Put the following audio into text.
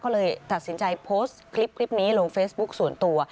ก็เลยตัดสินใจโพสต์คลิปนี้ลงเฟซบุ๊คส่วนตัว